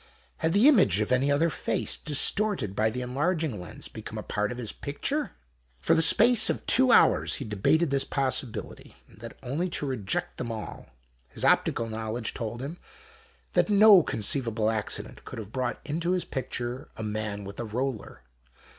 Had the image of any other face, distorted by the enlarging lens, become a part of this picture ? For the space of two hours he debated this possibility, and that, only to reject them all. His optical knowledge told him that no conceivable accident could have brought into his picture a man with a roller.